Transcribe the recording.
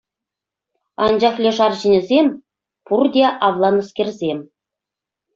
Анчах леш арҫынӗсем — пурте авланнӑскерсем.